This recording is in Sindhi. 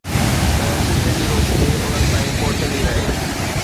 ته سج جي روشني انهن تائين پهچندي رهي